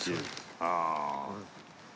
ああ。